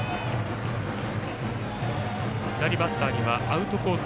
左バッターにはアウトコース